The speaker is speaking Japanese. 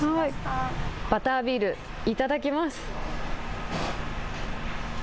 バタービール、頂きます。